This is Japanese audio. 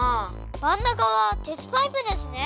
まんなかはてつパイプですね。